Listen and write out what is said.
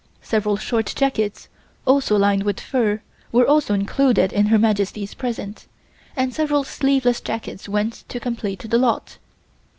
Several short jackets, also lined with fur, were also included in Her Majesty's present, and several sleeveless jackets went to complete the lot.